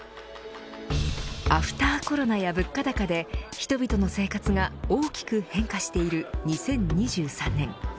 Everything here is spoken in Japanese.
アフターコロナや物価高で人々の生活が大きく変化している２０２３年。